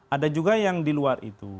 ada juga yang di luar itu